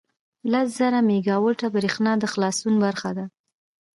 لس زره میګاوټه بریښنا د خلاصون برخه ده.